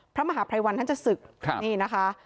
พระมหาภัยวันท่านจะศึกนี่นะคะ